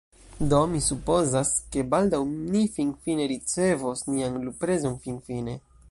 Do mi supozas, ke baldaŭ ni finfine ricevos nian luprezon. Finfine.